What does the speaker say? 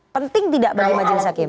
penting tidak bagi majelis hakim